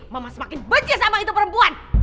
mama semakin bekerja sama itu perempuan